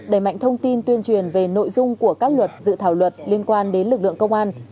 đẩy mạnh thông tin tuyên truyền về nội dung của các luật dự thảo luật liên quan đến lực lượng công an